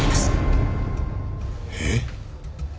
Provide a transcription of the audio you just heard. えっ？